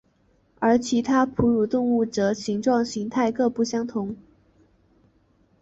而其他哺乳动物则形状形态各不相同。